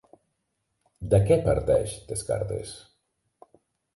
De què parteix Descartes?